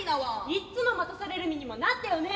「いつも待たされる身にもなってよね」。